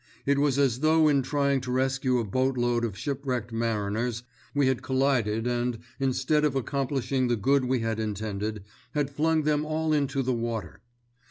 It was as though in trying to rescue a boat load of shipwrecked mariners, we had collided and, instead of accomplishing the good we had intended, had flung them all into the water.